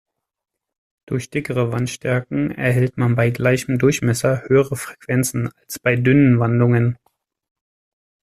Durch dickere Wandstärken erhält man bei gleichem Durchmesser höhere Frequenzen als bei dünnen Wandungen.